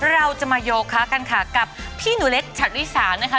เราจะมาโยคะกันค่ะกับพี่หนูเล็กฉัดริสานะคะ